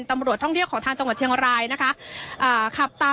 ตำรวจท่องเที่ยวของทางจังหวัดเชียงรายนะคะ